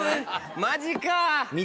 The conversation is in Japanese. マジか。